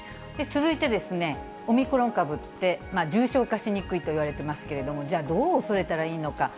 続いて、オミクロン株って重症化しにくいといわれていますけれども、じゃあ、どう恐れたらいいのか。